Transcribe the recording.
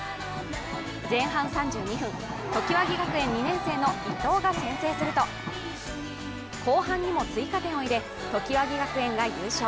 前半３２分、常盤木学園２年生の伊藤が先制すると、後半にも追加点を入れ常盤木学園が優勝。